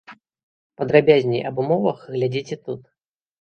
Падрабязней аб умовах глядзіце тут.